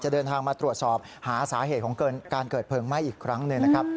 เดินทางมาตรวจสอบหาสาเหตุของการเกิดเพลิงไหม้อีกครั้งหนึ่งนะครับ